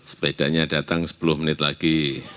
sepedanya datang sepuluh menit lagi